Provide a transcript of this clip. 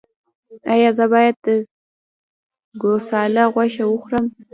ایا زه باید د ګوساله غوښه وخورم؟